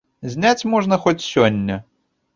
Зняць можна, хоць сёння.